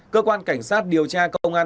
cơ quan cảnh sát điều tra công an